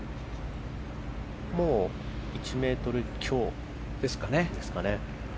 もう１ｍ強ですかね。